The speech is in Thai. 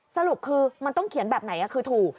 สรุปคือมันต้องเขียนแบบไหนคือถูก